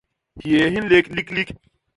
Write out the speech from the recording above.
Hyéé hi nlék liklik.